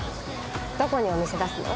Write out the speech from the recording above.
どこにお店出すの？